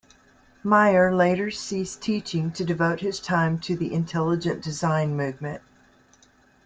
Meyer later ceased teaching to devote his time to the intelligent design movement.